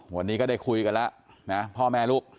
วันนี้ก็ได้คุยกันแล้วนะพ่อแม่ลูก